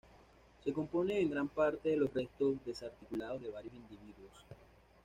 Se componen en gran parte de los restos desarticulados de varios individuos.